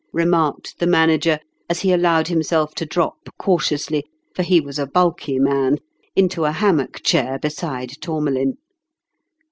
" remarked the Manager, as he allowed himself to drop cautiously for he was a bulky man into a hammock chair beside Tourmalin.